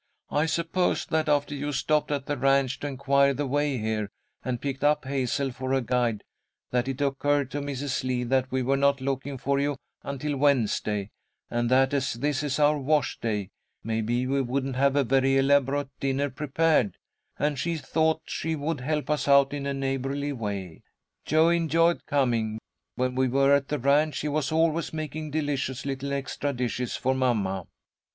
"I suppose that after you stopped at the ranch to inquire the way here, and picked up Hazel for a guide, that it occurred to Mrs. Lee that we were not looking for you until Wednesday, and that, as this is our wash day, maybe we wouldn't have a very elaborate dinner prepared, and she thought she would help us out in a neighbourly way. Jo enjoyed coming. When we were at the ranch, he was always making delicious little extra dishes for mamma."